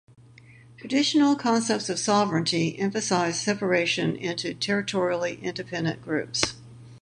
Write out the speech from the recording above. Traditional concepts of sovereignty emphasize separation into territorially independent groups.